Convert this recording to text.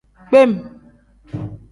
Kpem.